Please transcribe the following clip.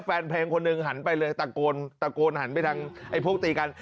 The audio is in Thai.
แฟนเพลงคนหนึ่งหันไปเลยตะโกนตะโกนหันไปทางไอ้พวกตีกัน